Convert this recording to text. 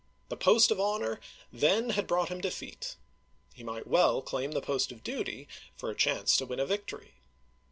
The post of honor then had brought him defeat. He might well claim the post of duty for a chance to win a victory.